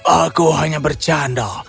aku hanya bercanda